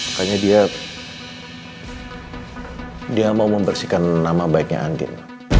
makanya dia mau membersihkan nama baiknya andin